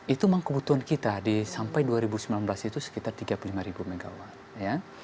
itu memang kebutuhan kita sampai dua ribu sembilan belas itu sekitar tiga puluh lima ribu megawatt ya